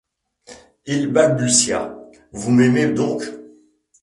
Il balbutia :— Vous m’aimez donc ?